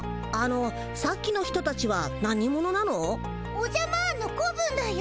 おじゃマーンの子分だよ。